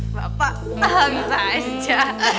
ah bapak bisa aja